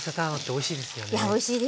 おいしいですよね。